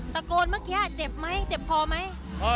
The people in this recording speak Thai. เมื่อกี้เจ็บไหมเจ็บคอไหม